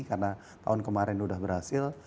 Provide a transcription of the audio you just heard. karena tahun kemarin sudah berhasil